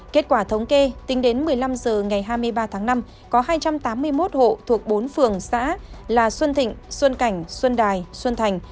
kết quả thống kê tính đến một mươi năm h ngày hai mươi ba tháng năm có hai trăm tám mươi một hộ thuộc bốn phường xã là xuân thịnh xuân cảnh xuân đài xuân thành